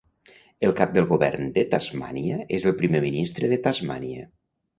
El cap del Govern de Tasmània és el primer ministre de Tasmània.